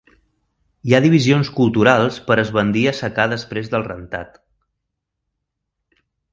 Hi ha divisions culturals per esbandir i assecar després del rentat.